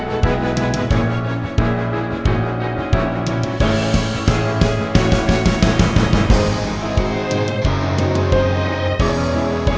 oh anak mama